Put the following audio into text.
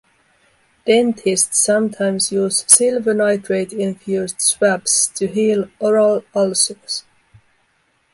Dentists sometimes use silver nitrate infused swabs to heal oral ulcers.